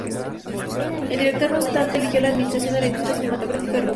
El director, no obstante, eligió la administración de la industria cinematográfica rusa.